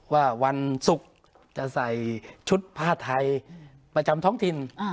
วันศุกร์จะใส่ชุดผ้าไทยประจำท้องถิ่น